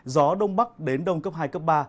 gió đông bắc đến đông cấp hai cấp ba